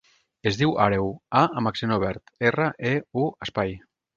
Es diu Àreu : a amb accent obert, erra, e, u, espai.